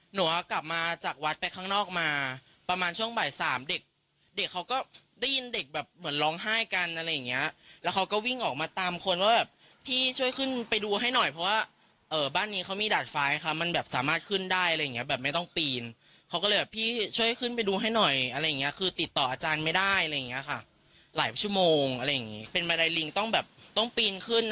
หนูกลับมาจากวัดไปข้างนอกมาประมาณช่วงบ่ายสามเด็กเด็กเขาก็ได้ยินเด็กแบบเหมือนร้องไห้กันอะไรอย่างเงี้ยแล้วเขาก็วิ่งออกมาตามคนว่าแบบพี่ช่วยขึ้นไปดูให้หน่อยเพราะว่าเออบ้านนี้เขามีดาดฟ้ายค่ะมันแบบสามารถขึ้นได้อะไรอย่างเงี้ยแบบไม่ต้องปีนเขาก็เลยแบบพี่ช่วยขึ้นไปดูให้หน่อยอะไรอย่างเงี้ยคือติดต่ออาจารย์ไม